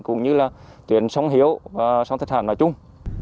cũng như là chuyển sống hiếu và sống thực hành nói chung